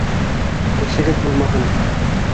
Эшегеҙ булмаһын!